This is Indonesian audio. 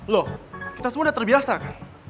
loh kita semua udah terbiasa kan